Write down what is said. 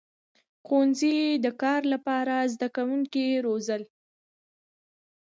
• ښوونځي د کار لپاره زدهکوونکي روزل.